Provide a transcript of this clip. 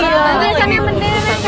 ini keren banget mobilnya